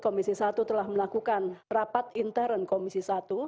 komisi i telah melakukan rapat intern komisi i